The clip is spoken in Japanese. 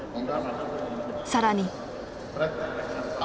更に。